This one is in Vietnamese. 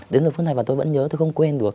đến giờ phước này tôi vẫn nhớ tôi không quên được